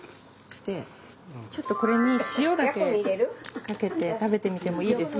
ちょっとこれに塩だけかけて食べてみてもいいですか？